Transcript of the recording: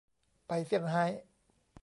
ไปเซี่ยงไฮ้